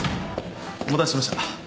お待たせしました。